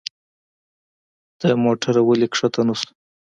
له موټره ولي کښته نه شو؟